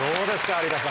有田さん。